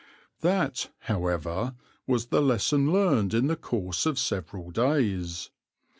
That, however, was the lesson learned in the course of several days.